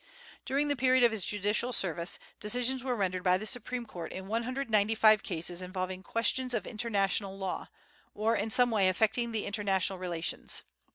During the period of his judicial service, decisions were rendered by the Supreme Court in 195 cases involving questions of international law, or in some way affecting international relations.